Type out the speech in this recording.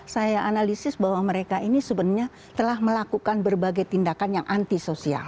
saya analisis bahwa mereka ini sebenarnya telah melakukan berbagai tindakan yang anti sosial